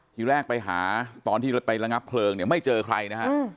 ที่แรกไปหาตอนที่ไประงับเพลิงไม่เจอใครนะครับ